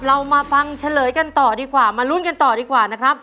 เรามาฟังเฉลยกันต่อดีกว่ามาลุ้นกันต่อดีกว่านะครับ